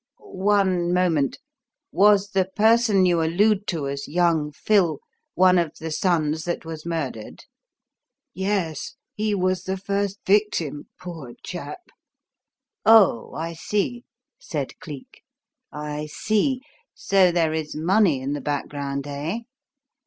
"One moment. Was the person you allude to as 'Young Phil' one of the sons that was murdered?" "Yes. He was the first victim, poor, chap!" "Oh, I see!" said Cleek. "I see! So there is money in the background, eh?